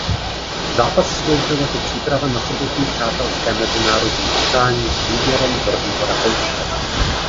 Zápas sloužil jako příprava na sobotní přátelské mezinárodní utkání s výběrem Horního Rakouska.